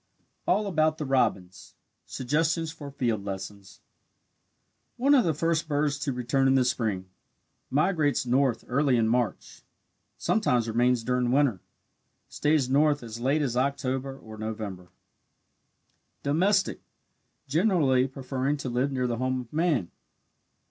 ALL ABOUT THE ROBIN SUGGESTIONS FOR FIELD LESSONS One of the first birds to return in the spring migrates north early in March sometimes remains during winter stays north as late as October or November. Domestic generally preferring to live near the home of man.